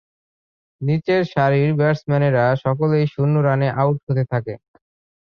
নিচের সারির ব্যাটসম্যানেরা সকলেই শূন্য রানে আউট হতে থাকে।